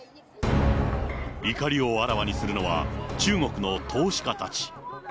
怒りをあらわにするのは、中国の投資家たち。